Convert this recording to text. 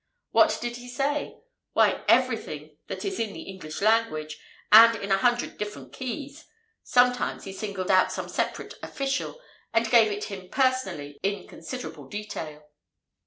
What did he say? Why, everything that is in the English language, and in a hundred different keys! Sometimes he singled out some separate 'official,' and gave it him, personally, in considerable detail.